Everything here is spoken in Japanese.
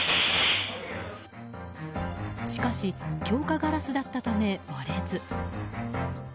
しかし、強化ガラスだったため割れず。